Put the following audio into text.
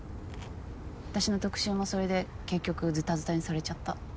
私の特集もそれで結局ずたずたにされちゃった。